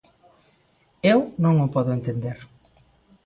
Eu non o podo entender.